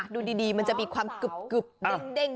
ดูดีมันจะมีความกึบเด้ง